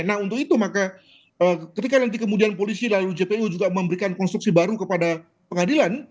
nah untuk itu maka ketika nanti kemudian polisi lalu jpu juga memberikan konstruksi baru kepada pengadilan